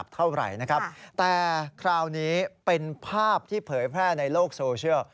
แต่คราวนี้เป็นภาพที่เผยแพร่ในโลกโซเชียล